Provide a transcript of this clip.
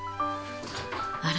あら？